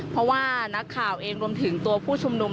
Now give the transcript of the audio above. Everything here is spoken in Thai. เพราะว่านักข่าวเองรวมถึงตัวผู้ชุมนุม